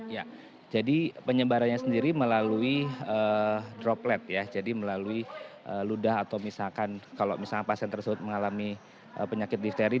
ya jadi penyebarannya sendiri melalui droplet ya jadi melalui ludah atau misalkan kalau misalnya pasien tersebut mengalami penyakit difteri